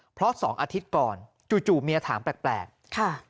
เพราะสองอาทิตย์ก่อนจู่เมียถามแปลกค่ะ